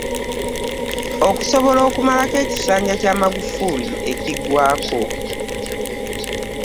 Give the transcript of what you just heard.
Okusobola okumalako ekisanja kya Magufuli ekiggwaako